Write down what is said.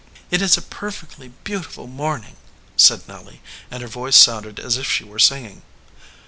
"It is a perfectly beautiful morning," said Nelly, and her voice sounded as if she were singing.